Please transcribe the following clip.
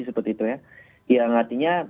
seperti itu ya yang artinya